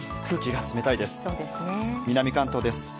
空気が冷たいです。